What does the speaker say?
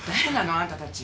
あなたたち。